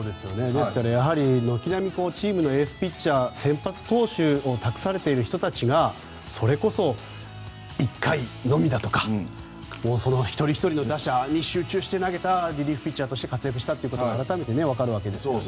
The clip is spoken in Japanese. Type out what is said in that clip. ですから、軒並みチームのエースピッチャー先発投手を託されている人たちがそれこそ１回のみだとか一人ひとりの打者に集中して投げたリリーフ投手として活躍したと改めてわかるわけですが。